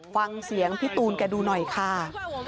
ฟังเสียงพี่ตูนแกดูหน่อยค่ะ